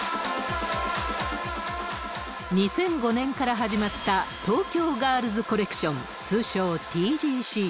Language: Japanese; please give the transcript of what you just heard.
２００５年から始まった東京ガールズコレクション、通称ＴＧＣ。